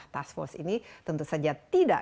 task force ini tentu saja tidak